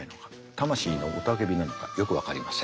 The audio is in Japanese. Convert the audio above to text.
魂の雄たけびなのかよく分かりません。